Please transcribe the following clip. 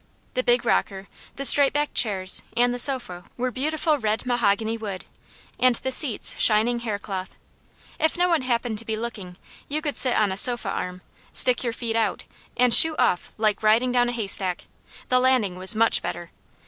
The big rocker, the straight backed chairs, and the sofa were beautiful red mahogany wood, and the seats shining haircloth. If no one happened to be looking, you could sit on a sofa arm, stick your feet out and shoot off like riding down a haystack; the landing was much better.